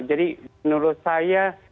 jadi menurut saya